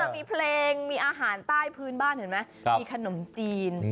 มีเพลงมีอาหารใต้พื้นบ้านเห็นไหมมีขนมจีน